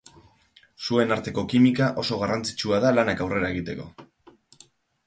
Zuen arteko kimika oso garrantzitsua da lanak aurrera egiteko.